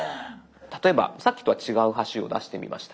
例えばさっきとは違う橋を出してみました。